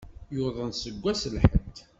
Yuḍen seg wass lḥedd.